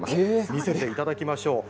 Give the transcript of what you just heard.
見せていただきましょう。